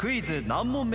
何問目？